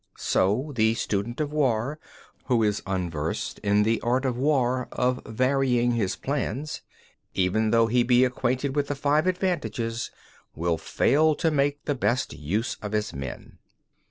6. So, the student of war who is unversed in the art of war of varying his plans, even though he be acquainted with the Five Advantages, will fail to make the best use of his men.